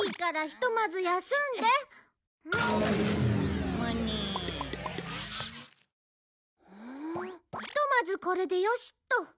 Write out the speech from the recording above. ひとまずこれでよしっと。